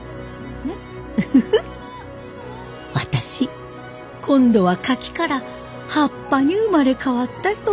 ウフフ私今度はカキから葉っぱに生まれ変わったようです。